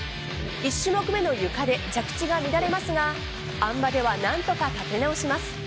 １種目目のゆかで着地が乱れますがあん馬では何とか立て直します。